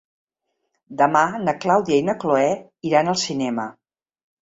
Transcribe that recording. Demà na Clàudia i na Cloè iran al cinema.